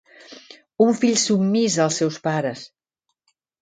Un fill submís als seus pares.